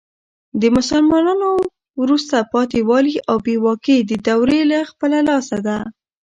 د مسلمانانو وروسته پاته والي او بي واکي د دوې له خپله لاسه ده.